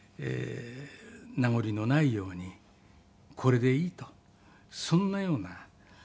名残のないようにこれでいいとそんなような宝塚好きでしたね。